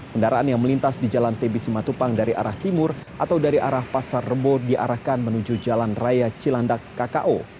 kendaraan yang melintas di jalan tbc matupang dari arah timur atau dari arah pasar rebo diarahkan menuju jalan raya cilandak kko